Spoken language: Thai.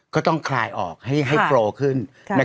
ก็ต้องคลายออกให้โฟล่อขึ้น